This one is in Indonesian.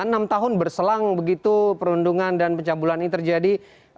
enam tahun berselang begitu perundungan dan pencabulan ini terjadi